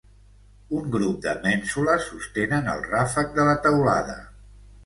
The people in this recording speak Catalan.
Un grup de mènsules sostenen el ràfec de la teulada.